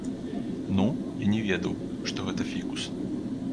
Ну, я не ведаў, што гэта фікус.